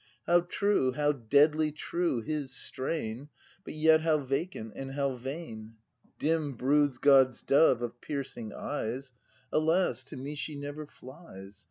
— How true, how deadly true, his strain, — But yet how vacant and how vain. Dim broods God's dove of piercing eyes; Alas, to me she never flies.